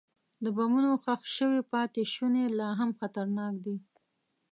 د بمونو ښخ شوي پاتې شوني لا هم خطرناک دي.